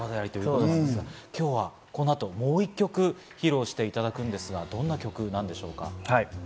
今日はこの後、もう１曲披露していただくんですが、どんな曲なんでしょうか？